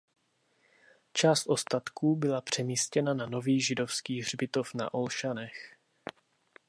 Část ostatků byla přemístěna na Nový židovský hřbitov na Olšanech.